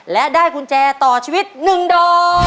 และได้กุญแจต่อชีวิต๑ดอก